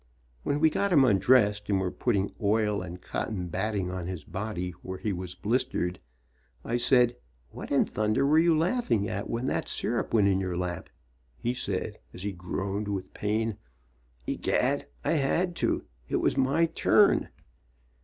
When we got him un dressed and were putting oil and cotton batting on his body where he was blistered, I said, "What in thunder were you laughing at when that syrup went in your lap?'' He said, as he groaned with pain, "Egad, I had to. It was my turn."